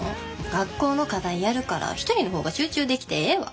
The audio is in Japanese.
学校の課題やるから１人の方が集中できてええわ。